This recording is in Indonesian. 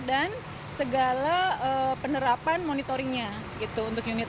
dan segala penerapan monitoringnya untuk unit